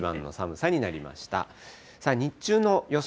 さあ、日中の予想